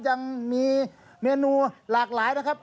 ยังมีเมนูหลากหลายนะครับ